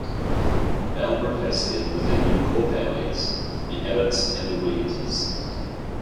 Bell replaced them with the new core families, the Abbotts and the Williamses.